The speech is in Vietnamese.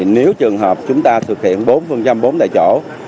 nếu trường hợp chúng ta thực hiện bốn bốn tại chỗ